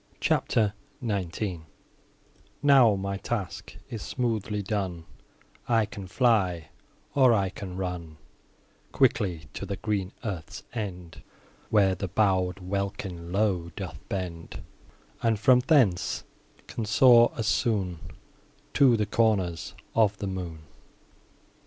CHAPTER XIX Now my task is smoothly done, I can fly, or I can run Quickly to the green earth's end, Where the bow'd welkin low doth bend, And, from thence, can soar as soon To the corners of the moon.